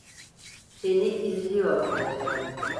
Seni izliyor olacağım.